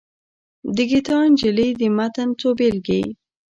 د ګیتا نجلي د متن څو بېلګې.